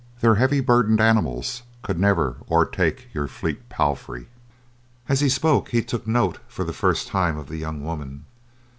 Their heavy burdened animals could never o'ertake your fleet palfrey." As he spoke, he took note for the first time of the young woman.